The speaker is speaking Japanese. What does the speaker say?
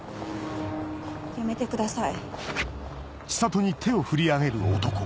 やめてください。